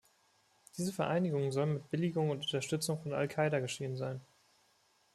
Diese Vereinigung soll mit Billigung und Unterstützung von Al-Qaida geschehen sein.